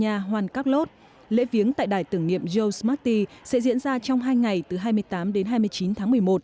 nhà juan carlos lễ viếng tại đài tưởng niệm joe smarty sẽ diễn ra trong hai ngày từ hai mươi tám đến hai mươi chín tháng một mươi một